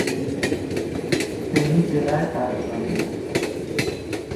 ফেনী জেলায় তাঁর জন্ম।